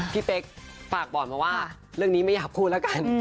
พี่เป๊กฝากบ่อนมาว่าเรื่องนี้ไม่อยากพูดแล้วกัน